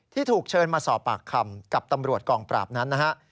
ที่ถูกเชิญมาสอบปากคำกับตำรวจกองปราบนั้นนะฮะ